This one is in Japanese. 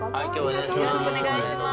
よろしくお願いします。